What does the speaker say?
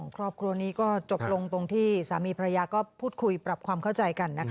ปิดเจ้ายังไงดีกว่า